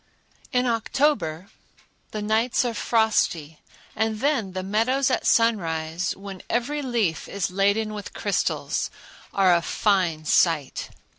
In October the nights are frosty, and then the meadows at sunrise, when every leaf is laden with crystals, are a fine sight.